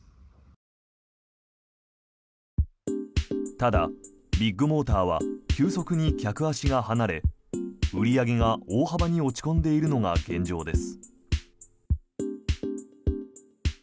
ただ、ビッグモーターは急速に客足が離れ売り上げが、大幅に落ち込んでいるのが現状です。